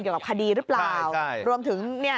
เกี่ยวกับคดีหรือเปล่าใช่ใช่